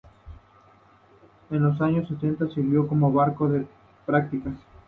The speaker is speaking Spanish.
En los años setenta sirvió como barco de prácticas.